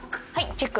チェック。